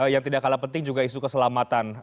yang tidak kalah penting juga isu keselamatan